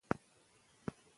ډوډۍ له بخاره سره راوړل شوه.